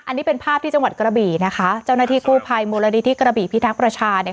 อันนี้เป็นภาพที่จังหวัดกระบี่นะคะเจ้าหน้าที่กู้ภัยมูลนิธิกระบี่พิทักษ์ประชาเนี่ย